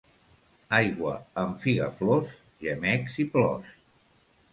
Aigua amb figaflors, gemecs i plors.